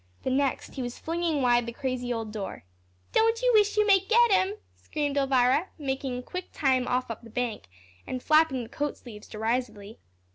The next he was flinging wide the crazy old door. "Don't you wish you may get 'em?" screamed Elvira, making quick time off up the bank, and flapping the coat sleeves derisively.